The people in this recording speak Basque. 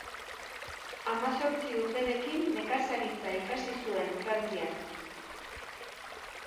Hamazortzi urterekin nekazaritza ikasi zuen Frantzian.